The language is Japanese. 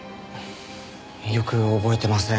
よく覚えてません。